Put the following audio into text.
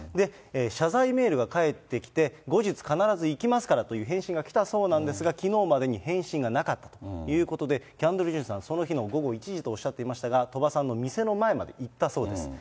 謝罪メールが返ってきて、後日必ず行きますからという返信が来たそうなんですが、きのうまでに返信がなかったということで、キャンドル・ジュンさん、その日の午後１時とおっしゃっていましたが、鳥羽さんの店の前まで行ったそうです。